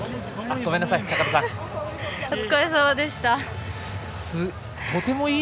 ごめんなさい。